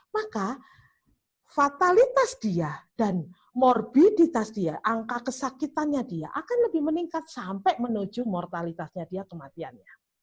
maka fatalitas dia dan morbiditas dia angka kesakitannya dia akan lebih meningkat sampai menuju mortalitasnya dia kematiannya